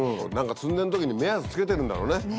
何か積んでる時に目安つけてるんだろうね。